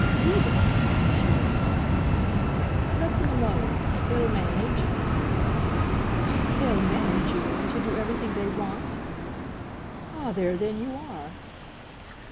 "'Leave' it ?" She wondered. "Let them alone. They'll manage." "They'll manage, you mean, to do everything they want? Ah, there then you are!"